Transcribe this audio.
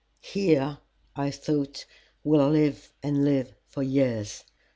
Here, I thought, we will live and live for years.